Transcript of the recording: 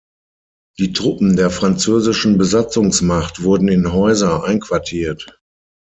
Die Truppen der französischen Besatzungsmacht wurden in Häuser einquartiert.